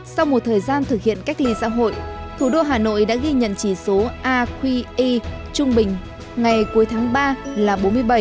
sau một thời gian thực hiện cách ly xã hội thủ đô hà nội đã ghi nhận chỉ số aqi trung bình ngày cuối tháng ba là bốn mươi bảy